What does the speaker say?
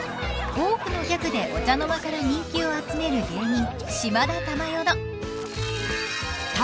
［多くのギャグでお茶の間から人気を集める芸人］